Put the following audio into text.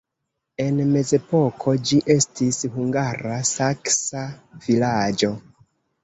En mezepoko ĝi estis hungara-saksa vilaĝo.